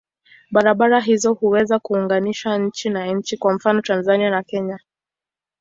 Barabara hizo huweza kuunganisha nchi na nchi, kwa mfano Tanzania na Kenya.